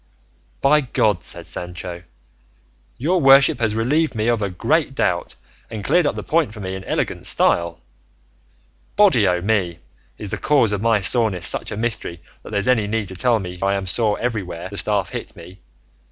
"By God," said Sancho, "your worship has relieved me of a great doubt, and cleared up the point for me in elegant style! Body o' me! is the cause of my soreness such a mystery that there's any need to tell me I am sore everywhere the staff hit me?